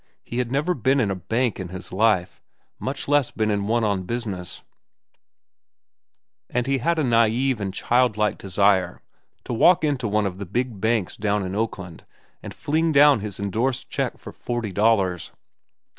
He had never been in a bank in his life, much less been in one on business, and he had a naive and childlike desire to walk into one of the big banks down in Oakland and fling down his indorsed check for forty dollars.